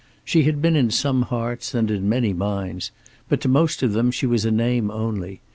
She had been in some hearts and in many minds, but to most of them she was a name only.